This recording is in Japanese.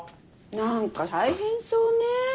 何か大変そうね。